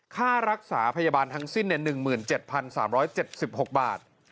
ค่ารักษาพยาบาลทั้งสิ้น๑๗๓๗๖บาท